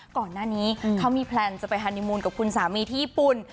ก่อนหน้านี้เขามีแพลนจะไปฮานีมูลกับคุณสามีที่ญี่ปุ่น